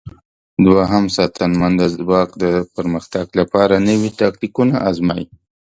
دوهم ساتنمن د ځواک د پرمختګ لپاره نوي تاکتیکونه آزمايي.